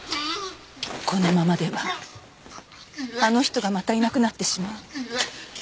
このままではあの人がまたいなくなってしまう。